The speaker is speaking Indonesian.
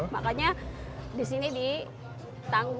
makanya disini ditanggul